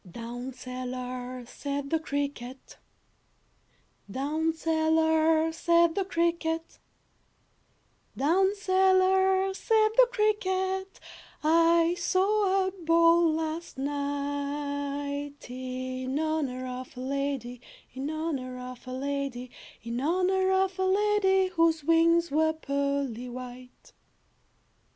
I "Down cellar," said the cricket, "Down cellar," said the cricket, "Down cellar," said the cricket, "I saw a ball last night, In honor of a lady, In honor of a lady, In honor of a lady, Whose wings were pearly white.